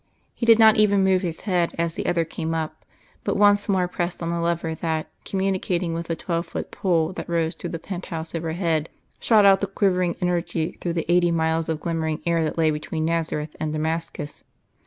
He did not even move His head as the other came up, but once more pressed on the lever that, communicating with the twelve foot pole that rose through the pent house overhead, shot out the quivering energy through the eighty miles of glimmering air that lay between Nazareth and Damascus.